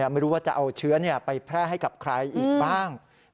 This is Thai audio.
ไม่รู้ว่าจะเอาเชื้อไปแพร่ให้กับใครอีกบ้าง